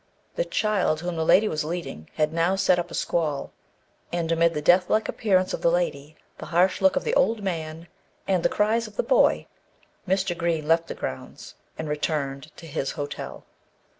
The child whom the lady was leading, had now set up a squall; and amid the death like appearance of the lady, the harsh look of the old man, and the cries of the boy, Mr. Green left the grounds, and returned to his hotel.